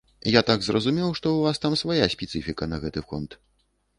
Я так зразумеў, што ў вас там свая спецыфіка на гэты конт.